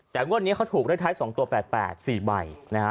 แต่งวดนี้เขาถูกเลขท้าย๒ตัว๘๘๔ใบนะฮะ